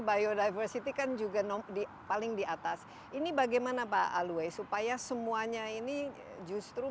biodiversity kan juga paling di atas ini bagaimana pak alwe supaya semuanya ini justru